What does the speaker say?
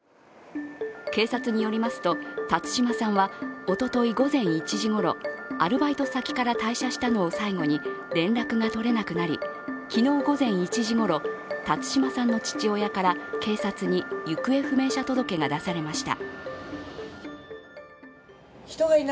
警察によりますと、辰島さんはおととい午前１時ごろ、アルバイト先から退社したのを最後に連絡が取れなくなり、昨日午前１時ごろ、辰島さんの父親から警察に行方不明者届が出されました。